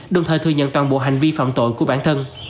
đồng thời thừa nhận toàn bộ hành vi phạm tội của bản thân